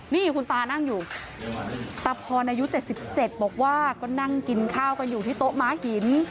นี่คุณตานั่งอยู่ตาพรอายุ๗๗บอกว่าก็นั่งกินข้าวกันอยู่ที่โต๊ะม้าหิน